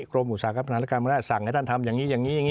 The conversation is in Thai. กรมอุตสาหกพันธ์พันธ์ธรรมการเหมือนแร่สั่งให้ท่านทำอย่างนี้อย่างนี้